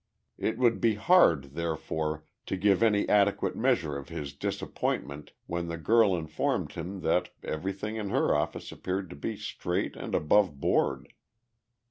It would be hard, therefore, to give any adequate measure of his disappointment when the girl informed him that everything in her office appeared to be straight and aboveboard.